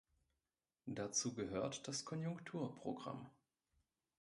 Dazu gehört das Konjunkturprogramm.